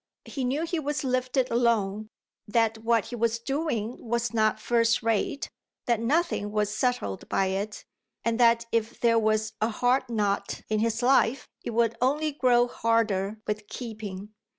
He knew he was lifted along, that what he was doing was not first rate, that nothing was settled by it and that if there was a hard knot in his life it would only grow harder with keeping.